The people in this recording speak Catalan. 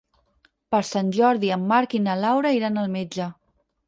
Per Sant Jordi en Marc i na Laura iran al metge.